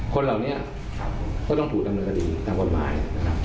คนเหล่านี้ก็ต้องถูกดำเนินคดีตามกฎหมายนะครับ